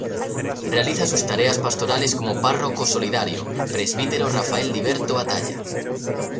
Realiza sus tareas pastorales como Párroco Solidario: Presbítero Rafael Liberto Batalla.